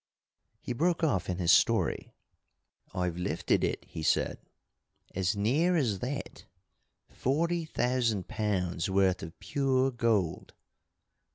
He broke off in his story. "I've lifted it," he said, "as near as that! Forty thousand pounds worth of pure gold!